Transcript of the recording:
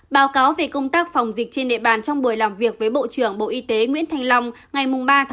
báo cáo về công tác phòng dịch trên địa bàn trong buổi làm việc với bộ trưởng bộ y tế nguyễn thành lòng ngày ba một mươi hai